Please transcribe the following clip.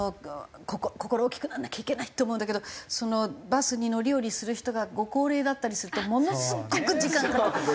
心大きくなんなきゃいけないって思うんだけどそのバスに乗り降りする人がご高齢だったりするとものすごく時間かかる。